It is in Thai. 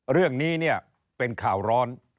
เรื่องนี้เนี่ยเป็นข่าวร้อน